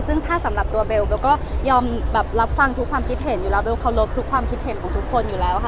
ซึ่งถ้าสำหรับตัวเบลเบลก็ยอมรับฟังทุกความคิดเห็นอยู่แล้วเบลเคารพทุกความคิดเห็นของทุกคนอยู่แล้วค่ะ